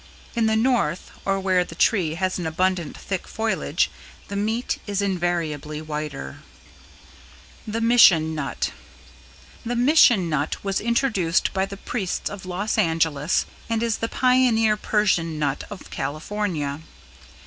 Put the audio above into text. In the North or where the tree has an abundant thick foliage the meat is invariably whiter. [Sidenote: =The Mission Nut=] The Mission Nut was introduced by the priests of Los Angeles and is the pioneer Persian Walnut of California.